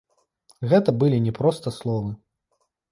Гэта былі не проста словы.